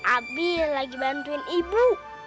abi lagi bantuin ibu